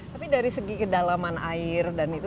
tapi dari segi kedalaman air dan itu